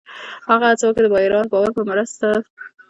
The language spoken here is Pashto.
هغه هڅه وکړه، د ایران باور په مثبت ډول ترلاسه کړي.